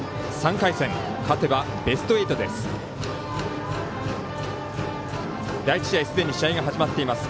３回戦、勝てばベスト８です。